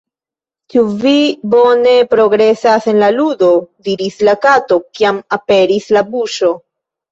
"Ĉu vi bone progresas en la ludo?" diris la Kato, kiam aperis la buŝo.